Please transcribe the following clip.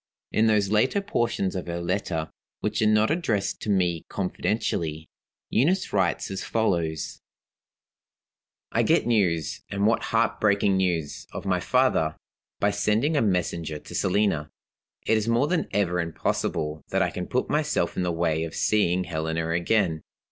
In those later portions of her letter, which are not addressed to me confidentially, Eunice writes as follows: "I get news and what heartbreaking news! of my father, by sending a messenger to Selina. It is more than ever impossible that I can put myself in the way of seeing Helena again.